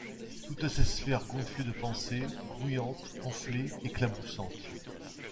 Toutes ces sphères gonflées de pensées, grouillantes, enflées, éclaboussantes. ..